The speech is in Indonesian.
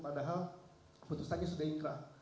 padahal keputusannya sudah ikrah